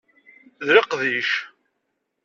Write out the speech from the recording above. D leqdic.